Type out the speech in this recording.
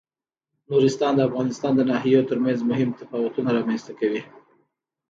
نورستان د افغانستان د ناحیو ترمنځ مهم تفاوتونه رامنځ ته کوي.